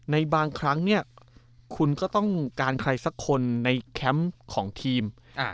ในบางครั้งเนี่ยคุณก็ต้องการใครสักคนในแคมป์ของทีม